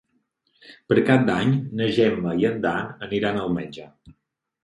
Per Cap d'Any na Gemma i en Dan aniran al metge.